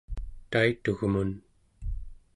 taitugmun